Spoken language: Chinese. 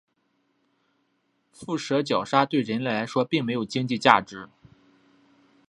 腹蛇角鲨对人类来说并没有经济价值。